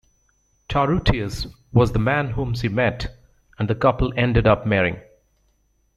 Tarutius was the man whom she met and the couple ended up marrying.